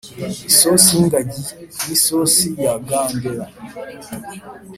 isosi y'ingagi ni isosi ya gandera